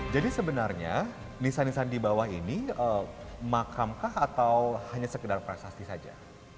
jadi sebenarnya nisan nisan di bawah ini makamkah atau hanya sekedar prasasti saja